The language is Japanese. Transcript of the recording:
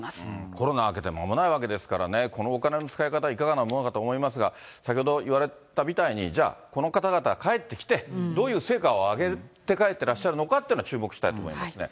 コロナ明けて間もないわけですからね、このお金の使い方、いかがなものかと思いますが、先ほどいわれたみたいに、じゃあ、この方々、帰ってきて、どういう成果をあげて帰ってらっしゃるのかというのを注目したいと思いますね。